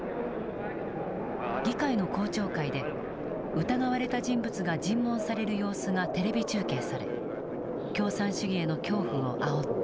議会の公聴会で疑われた人物が尋問される様子がテレビ中継され共産主義への恐怖をあおった。